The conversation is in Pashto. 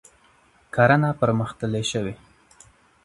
کرنه پرمختللې شوې.